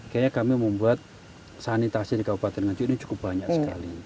kayaknya kami membuat sanitasi di kabupaten nganjuk ini cukup banyak sekali